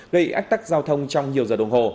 gây ách tắc giao thông trong nhiều giờ đồng hồ